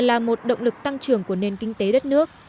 là một động lực tăng trưởng của nền kinh tế đất nước